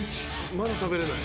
まだ食べれない。